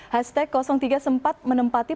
hashtag tiga sempat menempati